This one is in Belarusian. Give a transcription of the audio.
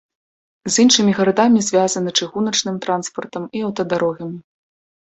З іншымі гарадамі звязаны чыгуначным транспартам і аўтадарогамі.